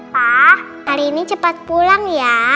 pak hari ini cepat pulang ya